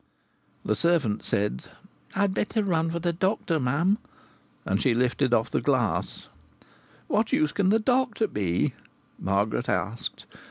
The servant said: "I'd better run for the doctor, ma'am." And she lifted off the glass. "What use can the doctor be?" Margaret asked.